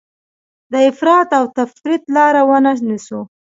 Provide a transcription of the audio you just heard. د افراط او تفریط لاره ونه نیسو.